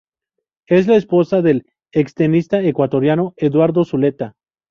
Es esposa del extenista ecuatoriano Eduardo Zuleta.